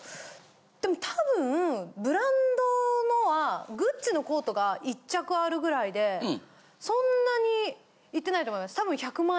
でもたぶんブランドのはＧＵＣＣＩのコートが１着あるぐらいでそんなにいってないと思います。